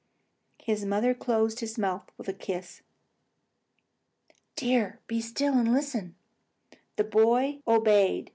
The mother closed his mouth with a kiss. "Dear, be still, and listen!" The boy obeyed.